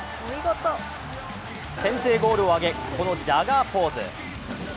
先制ゴールを挙げ、このジャガポーズ。